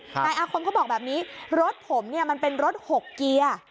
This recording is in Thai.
นายอาคมเขาบอกแบบนี้รถผมเนี่ยมันเป็นรถหกเกียร์